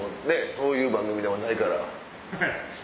そういう番組ではないから。